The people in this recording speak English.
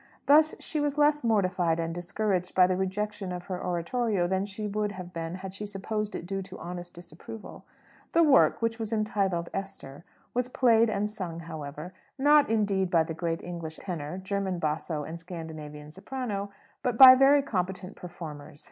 Thus she was less mortified and discouraged by the rejection of her oratorio than she would have been had she supposed it due to honest disapproval. The work, which was entitled "Esther," was played and sung, however; not indeed by the great English tenor, German basso, and Scandinavian soprano, but by very competent performers.